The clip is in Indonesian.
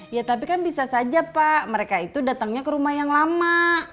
ya tapi kan bisa saja pak mereka itu datangnya ke rumah yang lama